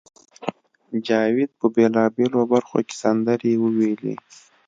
جاوید په بېلابېلو برخو کې سندرې وویلې